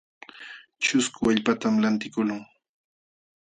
Ćhusku wallpatam lantiqluu.